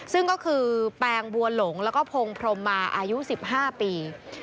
ซึ่งก็คือแปงบัวหลงแล้วก็พงพรมมาอายุ๑๕ปี